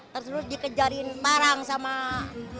terus dikejarin parang sama panah